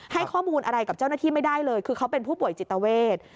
ให้ข้อมูลอะไรกับเจ้าหน้าที่ไม่ได้เลยคือเขาเป็นผู้ป่วยจิตเวท